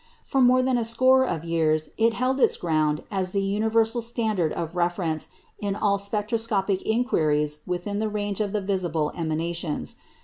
For more than a score of years it held its ground as the universal standard of reference in all spectroscopic inquiries within the range of the visible emanations.